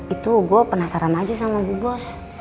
itu gua penasaran aja sama bu bos